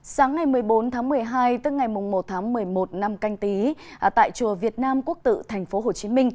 sáng ngày một mươi bốn tháng một mươi hai tức ngày một tháng một mươi một năm canh tí tại chùa việt nam quốc tự tp hcm